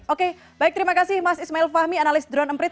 oke baik terima kasih mas ismail fahmi analis drone emprit